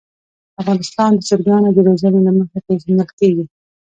افغانستان د چرګانو د روزنې له مخې پېژندل کېږي.